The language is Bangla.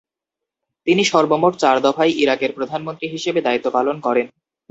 তিনি সর্বমোট চার দফায় ইরাকের প্রধানমন্ত্রী হিসেবে দায়িত্ব পালন করেন।